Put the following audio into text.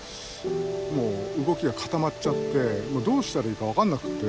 もう動きが固まっちゃってどうしたらいいか分かんなくって。